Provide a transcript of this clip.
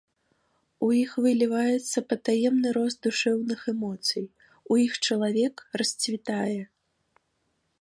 У іх выліваецца патаемны рост душэўных эмоцый, у іх чалавек расцвітае.